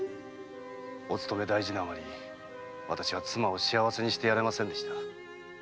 お勤め大事なあまり私は妻を幸せにしてやれませんでした。